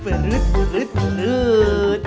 perut perut perut